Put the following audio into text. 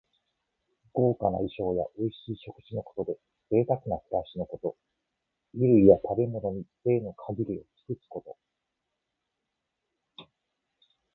豪華な衣装やおいしい食事のことで、ぜいたくな暮らしのこと。衣類や食べ物に、ぜいの限りを尽くすこと。